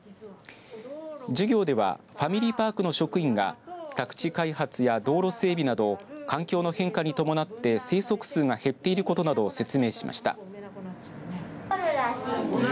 授業ではファミリーパークの職員が宅地開発や道路整備など環境の変化に伴って生息数が減っていることなどを説明しました。